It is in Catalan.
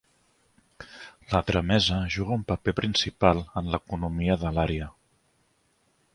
La tramesa juga un paper principal en l'economia de l'àrea.